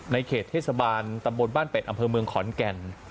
เขตเทศบาลตำบลบ้านเป็ดอำเภอเมืองขอนแก่น